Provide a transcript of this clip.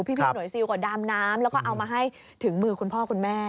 พี่หน่วยซิลก็ดำน้ำแล้วก็เอามาให้ถึงมือคุณพ่อคุณแม่